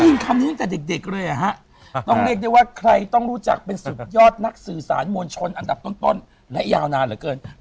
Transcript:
ได้ยินคำนี้ตั้งแต่เด็กเลยอะฮะ